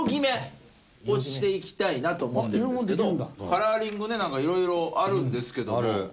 カラーリングねなんか色々あるんですけども。